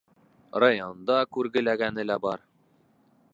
Районда күргеләгәне лә бар: